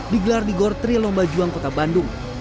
digelar di gor tri lomba juang kota bandung